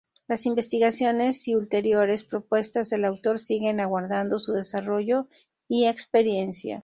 Las investigaciones y ulteriores propuestas del autor siguen aguardando su desarrollo y experiencia.